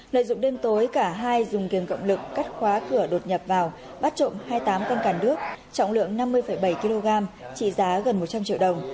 lợi dụng đêm tối cả hai dùng kiềm cộng lực cắt khóa cửa đột nhập vào bắt trộm hai mươi tám cân càn đước trọng lượng năm mươi bảy kg trị giá gần một trăm linh triệu đồng